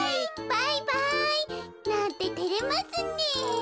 バイバイなんててれますねえ。